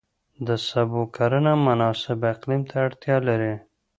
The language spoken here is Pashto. د سبو کرنه مناسب اقلیم ته اړتیا لري.